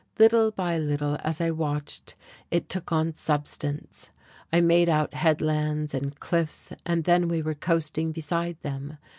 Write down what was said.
Little by little, as I watched, it took on substance. I made out headlands and cliffs, and then we were coasting beside them.